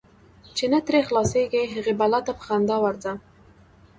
چی نه ترې خلاصیږې، هغی بلا ته په خندا ورځه .